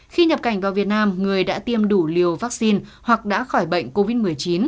khi nhập cảnh vào việt nam người đã tiêm đủ liều vaccine hoặc đã khỏi bệnh covid một mươi chín